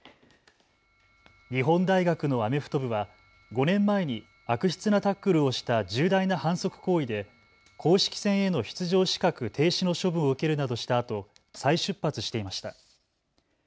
日本大学のアメフト部は５年前に悪質なタックルをした重大な反則行為で公式戦への出場資格停止の処分を受けるなどしたあと再出発していました。